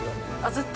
ずっと？